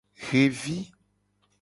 Xevi.